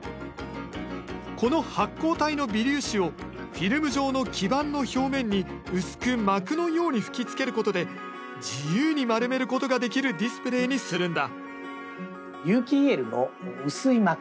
この発光体の微粒子をフィルム状の基板の表面に薄く膜のように吹きつけることで自由に丸めることができるディスプレーにするんだ。